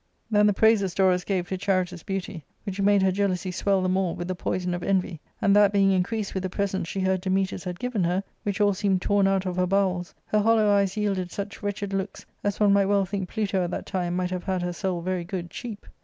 397 than the praises Dorus gave to Charita's beauty, which made her jealousy swell the more with the poison of envy ; and that being increased with the presents she heard Dametas had given her, which all seemed torn out of her bowels, her hollow eyes yielded such wretched looks as one might well think Pluto at that time might have had her soul very good cheap.